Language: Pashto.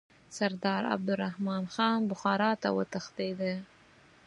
سردار عبدالرحمن خان بخارا ته وتښتېدی.